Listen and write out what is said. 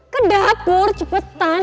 ke dapur cepetan